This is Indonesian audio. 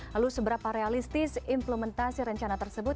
lalu seberapa realistis implementasi rencana tersebut